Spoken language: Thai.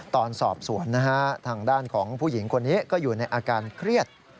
ตอนสอบสวนนะฮะทางด้านของผู้หญิงคนนี้ก็อยู่ในอาการเครียด